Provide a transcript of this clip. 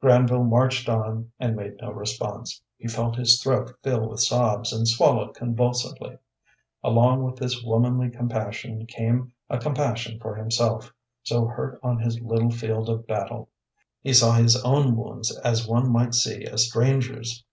Granville marched on and made no response. He felt his throat fill with sobs, and swallowed convulsively. Along with this womanly compassion came a compassion for himself, so hurt on his little field of battle. He saw his own wounds as one might see a stranger's.